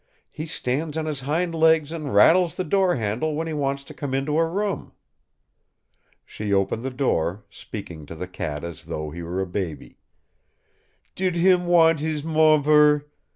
He stands on his hind legs and rattles the door handle when he wants to come into a room." She opened the door, speaking to the cat as though he were a baby: "Did him want his movver?